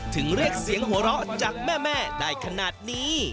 ถึงเรียกเสียงหัวเราะจากแม่ได้ขนาดนี้